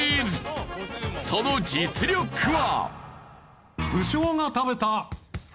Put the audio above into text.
その実力は？